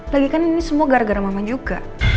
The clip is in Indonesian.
lagikan ini semua gara gara mama juga